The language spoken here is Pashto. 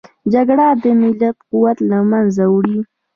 جګړه د ملت قوت له منځه وړي